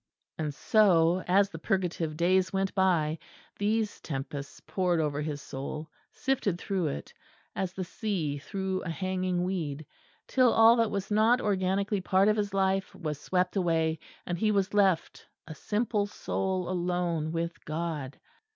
And so, as the purgative days went by, these tempests poured over his soul, sifted through it, as the sea through a hanging weed, till all that was not organically part of his life was swept away, and he was left a simple soul alone with God.